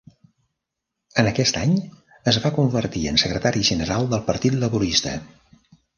En aquest any, es va convertir en secretari general del partit laborista.